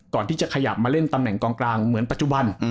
ขยับมาเล่นตำแหน่งกองกลางเหมือนปัจจุบัน